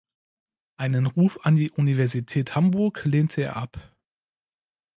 Einen Ruf an die Universität Hamburg lehnte er ab.